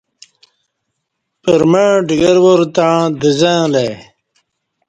پرمع ڈگروار تݩع دزں الہ ا ی